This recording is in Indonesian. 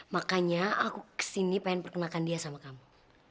makanya aku kesini pengen perkenalkan dia sama kamu